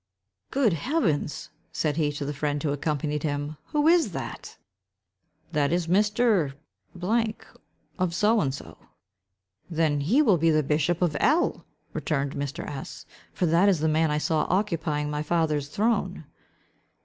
"Good Heavens!" said he, to the friend who accompanied him, "who is that?" "That is Mr. ——, of so and so." "Then he will be bishop of L——!" returned Mr. S——; "for that is the man I saw occupying my father's throne."